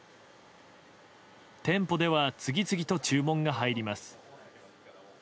店舗では次々と注文が入ります。